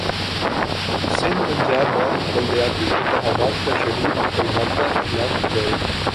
سندھپنجاب میں بلدیاتی انتخابات کاشیڈول اور ضابطہ اخلاق جاری